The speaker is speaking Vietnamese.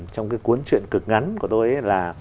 trong cái cuốn chuyện cực ngắn của tôi ấy là